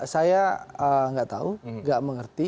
saya tidak tahu tidak mengerti